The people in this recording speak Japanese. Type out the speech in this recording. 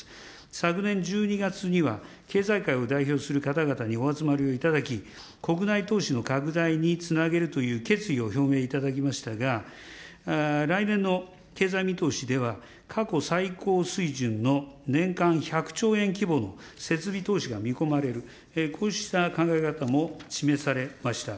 昨年１２月には、経済界を代表する方々にお集まりをいただき、国内投資の拡大につなげるという決意を表明いただきましたが、来年の経済見通しでは、過去最高水準の年間１００兆円規模の設備投資が見込まれる、こうした考え方も示されました。